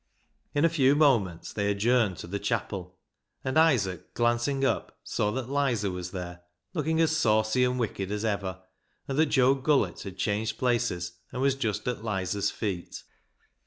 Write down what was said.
In a few moments they adjourned to the chapel, and Isaac, glancing up, saw that " Lizer " was there, looking as saucy and wicked as ever, and that Joe Gullett had changed places, and was just at Lizer's feet.